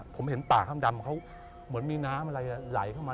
ผมเห็นป่าค่ำดำเขาเหมือนมีน้ำอะไรไหลเข้ามา